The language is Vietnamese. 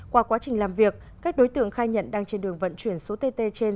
qua quá trình làm việc các đối tượng khai nhận đang trên đường vận chuyển số tt trên